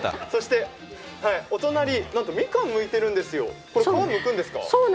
お隣、なんとみかんむいてるんですよ、これ皮むくんですか？